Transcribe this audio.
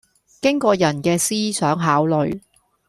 經過人嘅思想考慮